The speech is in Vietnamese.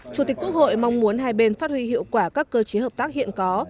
chủ tịch quốc hội mong muốn hai bên phát huy hiệu quả các cơ chế hợp tác hiện có